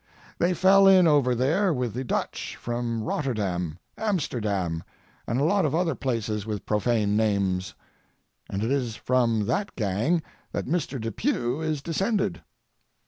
They fell in over there with the Dutch from Rotterdam, Amsterdam, and a lot of other places with profane names, and it is from that gang that Mr. Depew is descended.